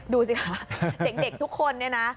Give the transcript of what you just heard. ดูสิคะเด็กทุกคนเนี่ยนะ